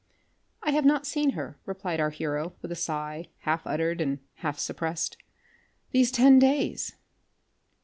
"I have not seen her," replied our hero with a sigh half uttered, and half suppressed, "these ten days."